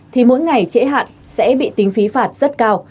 thì mỗi ngày trễ hạn sẽ bị tính phí phạt rất cao